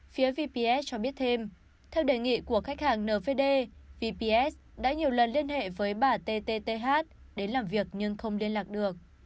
phía vps cho biết thêm theo đề nghị của khách hàng nvd vps đã nhiều lần liên hệ với bà tt đến làm việc nhưng không liên lạc được